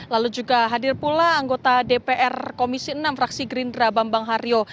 lalu juga hadir pula anggota dpr komisi enam fraksi gerindra bambang haryo